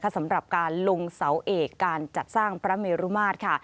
สำหรับการลงเสาเอกการจัดสร้างพระเมรุมาตรค่ะ